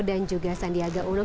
dan juga sandiaga uno